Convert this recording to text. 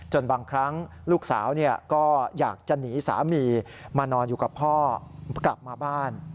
บางครั้งลูกสาวก็อยากจะหนีสามีมานอนอยู่กับพ่อกลับมาบ้าน